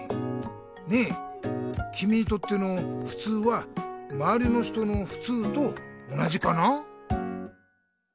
ねえきみにとってのふつうはまわりの人のふつうと同じかな？